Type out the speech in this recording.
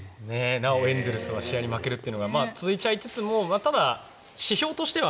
なおエンゼルスは試合に負けるというのが続いちゃいつつもただ、指標としては